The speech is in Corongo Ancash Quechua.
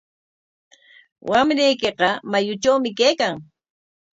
Wamraykiqa mayutrawmi kaykan.